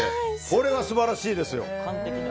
これは素晴らしいですよ。